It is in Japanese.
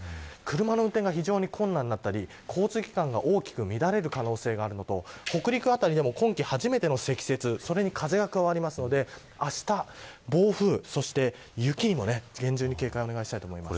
車の運転が非常に困難になったり交通機関が大きく乱れる可能性があるのと北陸辺りでも今季、初めての積雪それに風が加わりますのであした暴風、そして雪にも厳重に警戒をお願いします。